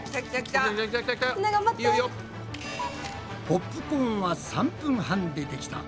ポップコーンは３分半でできた。